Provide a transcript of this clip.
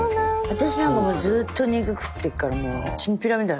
私なんかずっと肉食ってるからチンピラみたい。